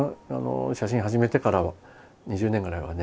写真始めてから２０年ぐらいはね